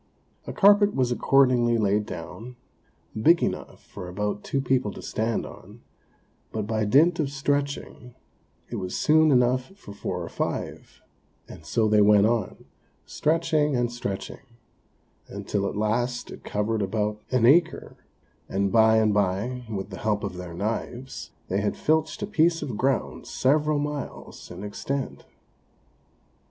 A carpet was accordingly laid down, big enough for about two people to stand on; but by dint of stretching, it was soon enough for four or five; and so they went on, stretching and stretching, until at last it covered about an acre, and by and by, with the help of their knives, they had filched a piece of ground several miles in extent.